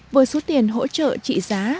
với số tiền hỗ trợ trị giá